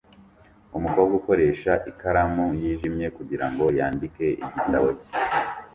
Umukobwa ukoresha ikaramu yijimye kugirango yandike igitabo cye